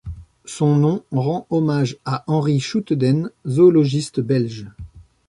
Son nom rend hommage à Henri Schouteden, zoologiste belge.